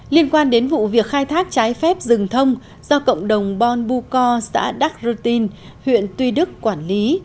liên quan đến vụ việc khai thác trái phép rừng thông do cộng đồng bon bucor xã đắc routine huyện tuy đức quản lý